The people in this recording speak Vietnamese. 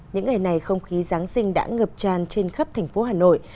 những ngày này không khí giáng sinh đã ngập tràn trên khắp thành phố hà nội